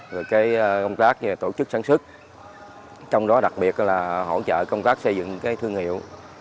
rồi cái công tác về tổ chức sản xuất trong đó đặc biệt là hỗ trợ công tác xây dựng cái thương hiệu